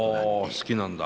あ好きなんだ。